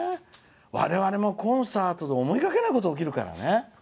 我々もコンサートで思いがけないこと起きますからね。